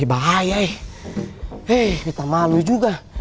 eh kita malu juga